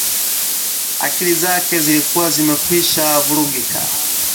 Akili zake zilikuwa zimekwishavurugika